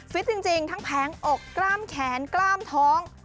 จริงทั้งแผงอกกล้ามแขนกล้ามท้อง